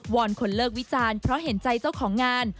อนคนเลิกวิจารณ์เพราะเห็นใจเจ้าของงาน